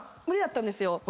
無理だったんですよ。